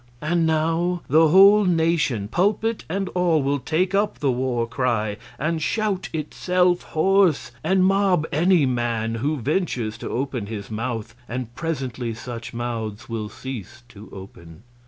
And now the whole nation pulpit and all will take up the war cry, and shout itself hoarse, and mob any honest man who ventures to open his mouth; and presently such mouths will cease to open.